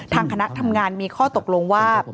คณะทำงานมีข้อตกลงว่า